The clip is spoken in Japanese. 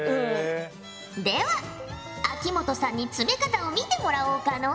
では秋本さんに詰め方を見てもらおうかの。